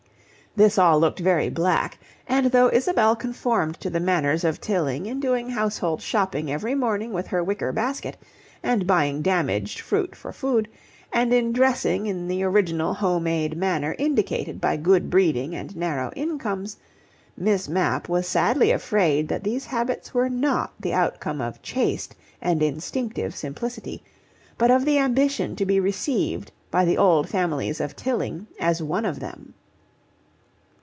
This all looked very black, and though Isabel conformed to the manners or Tilling in doing household shopping every morning with her wicker basket, and buying damaged fruit for food, and in dressing in the original home made manner indicated by good breeding and narrow incomes, Miss Mapp was sadly afraid that these habits were not the outcome of chaste and instinctive simplicity, but of the ambition to be received by the old families of Tilling as one of them.